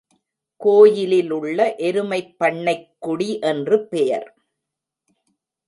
கோயிலிலுள்ள எருமைப்பண்ணைக்கு டி என்று பெயர்.